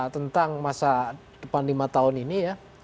tentang masa depan lima tahun ini ya